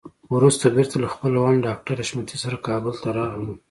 وروسته بېرته له خپل خاوند ډاکټر حشمتي سره کابل ته راغله.